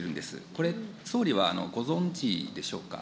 これ、総理はご存じでしょうか。